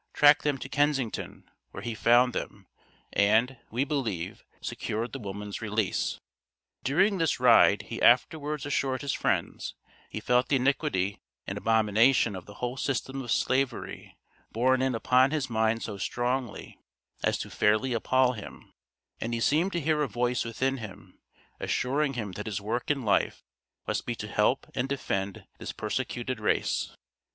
tracked them to Kensington, where he found them, and, we believe, secured the woman's release. During this ride, he afterwards assured his friends, he felt the iniquity and abomination of the whole system of Slavery borne in upon his mind so strongly, as to fairly appal him, and he seemed to hear a voice within him, assuring him that his work in life must be to help and defend this persecuted race.